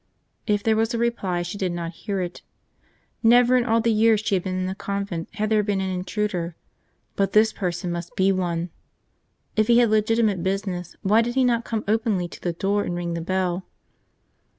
If there was a reply, she did not hear it. Never in all the years she had been in the convent had there been an intruder; but this person must be one. If he had legitimate business, why did he not come openly to the door and ring the bell?